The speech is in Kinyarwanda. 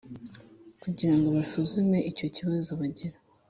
kugira ngo basuzume icyo kibazo Bagira